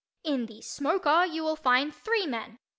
In the "smoker" you will find three men.